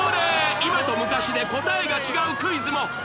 今と昔で答えが違うクイズも